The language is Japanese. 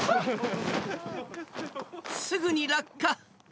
すぐに落下。